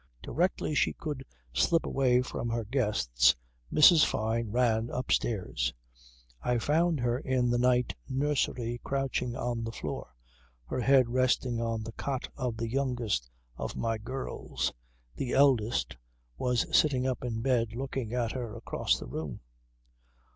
Directly she could slip away from her guests Mrs. Fyne ran upstairs. "I found her in the night nursery crouching on the floor, her head resting on the cot of the youngest of my girls. The eldest was sitting up in bed looking at her across the room."